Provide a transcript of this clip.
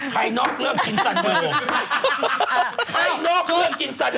ใครนอกเรื่องกินสันโห้ฉันจะหากจบ